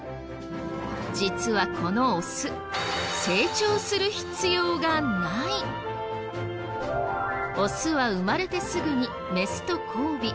実はこのオスオスは生まれてすぐにメスと交尾。